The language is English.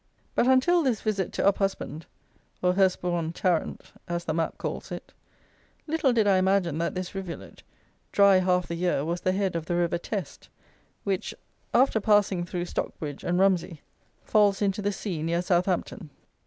But until this visit to Uphusband (or Hurstbourne Tarrant, as the map calls it), little did I imagine that this rivulet, dry half the year, was the head of the river Teste, which, after passing through Stockbridge and Rumsey, falls into the sea near Southampton.